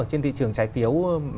trên thị trường trái phiếu